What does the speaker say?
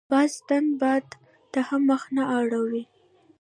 باز تند باد ته هم مخ نه اړوي